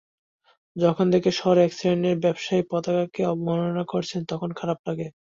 যখন দেখি, শহরে একশ্রেণির ব্যবসায়ী পতাকাকে অবমাননা করছেন, তখন খারাপ লাগে।